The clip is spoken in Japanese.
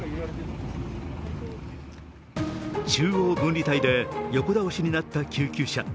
中央分離帯で横倒しになった救急車。